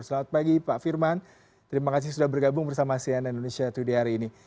selamat pagi pak firman terima kasih sudah bergabung bersama sian indonesia today hari ini